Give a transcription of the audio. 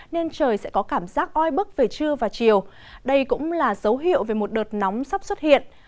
nên trời sẽ có cảm giác oi bức về trưa và chiều đây cũng là dấu hiệu về một đợt nóng sắp xuất hiện